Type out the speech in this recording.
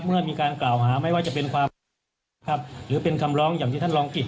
เมื่อมีการกล่าวหาไม่ว่าจะเป็นความครับหรือเป็นคำร้องอย่างที่ท่านรองกิจ